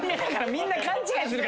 みんな勘違いするから。